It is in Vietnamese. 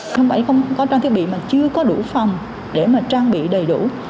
không phải không có trang thiết bị mà chưa có đủ phòng để mà trang bị đầy đủ